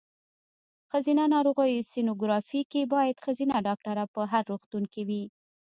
ښځېنه ناروغیو سینوګرافي کې باید ښځېنه ډاکټره په هر روغتون کې وي.